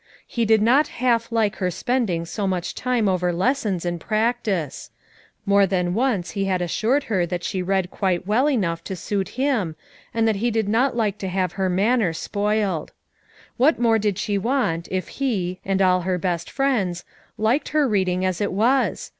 He did not half like her spending so much time over lessons and practice; moi*e than once he had assured her that she read quite well enough to suit him, and he did not like to have her manner spoiled. What more did she want if he, and all her best friends, liked her reading as it was?